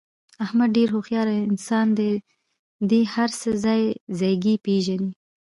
احمد ډېر هوښیار انسان دی. دې هر څه ځای ځایګی پېژني.